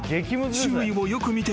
周囲をよく見て？